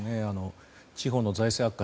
地方の財政悪化